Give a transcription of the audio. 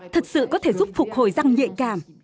thật sự có thể giúp phục hồi răng nhạy cảm